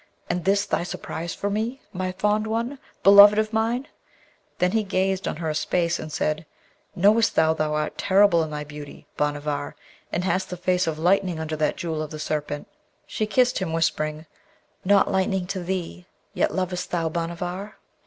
And this thy surprise for me, my fond one? beloved of mine!' Then he gazed on her a space, and said, 'Knowest thou, thou art terrible in thy beauty, Bhanavar, and hast the face of lightning under that Jewel of the Serpent?' She kissed him, whispering, 'Not lightning to thee! Yet lovest thou Bhanavar?'